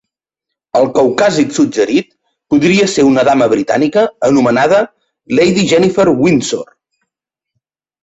El caucàsic suggerit podria ser una dama britànica anomenada Lady Jennifer Windsor.